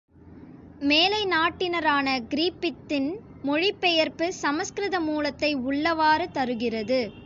மேலை நாட்டினரான கிரிஃபித்தின் மொழிபெயர்ப்பு சமஸ்கிருத மூலத்தை உள்ளவாறு தருகிறது.